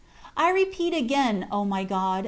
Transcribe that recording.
I repeat again, O my God